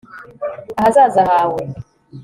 ahazaza hawe